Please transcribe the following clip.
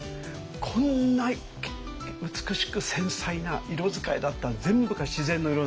こんな美しく繊細な色使いだった全部が自然の色なんです。